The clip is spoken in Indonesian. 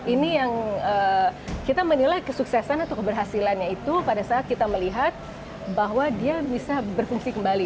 ini yang kita menilai kesuksesan atau keberhasilannya itu pada saat kita melihat bahwa dia bisa berfungsi kembali